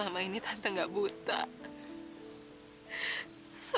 ada yang jadi kaya